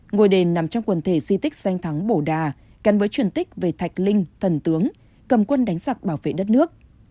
ngôi đền nằm trong quần thể di tích sanh thắng bổ đà cắn với truyền tích về thạch linh thần tướng cầm quân đánh giặc bảo vệ đất nước